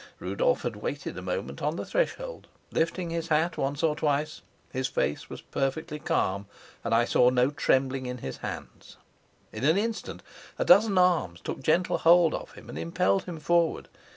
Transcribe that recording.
Rudolf had waited a moment on the threshold, lifting his hat once or twice; his face was perfectly calm, and I saw no trembling in his hands. In an instant a dozen arms took gentle hold of him and impelled him forward.